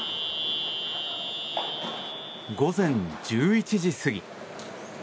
午前１１時過ぎ。